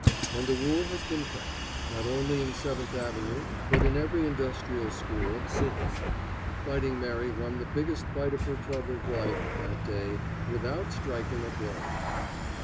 And the rule has been kept not only in Seventh Avenue, but in every industrial school since. Fighting Mary won the biggest fight of her troubled life that day, without striking a blow.